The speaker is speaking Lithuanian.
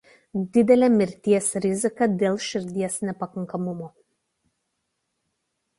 Didelė mirties rizika dėl širdies nepakankamumo.